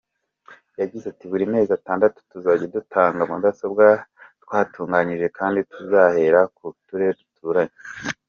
Yagize ati “Buri mezi atandatu tuzajya dutanga mudasobwa twatunganyije kandi tuzahera ku turere duturanye.